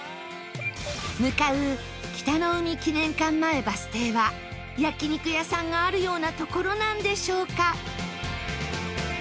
向かう北の湖記念館前バス停は焼肉屋さんがあるような所なんでしょうか？